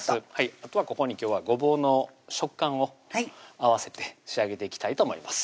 あとはここに今日はごぼうの食感を合わせて仕上げていきたいと思います